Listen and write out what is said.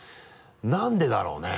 何でだろうね。